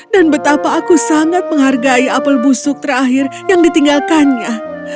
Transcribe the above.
dan betapa aku sangat menghargai apel busuk terakhir yang ditinggalkannya